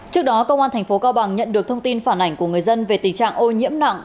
trước đó công an thành phố cao bằng nhận được thông tin phản ảnh của người dân về tình trạng ô nhiễm nặng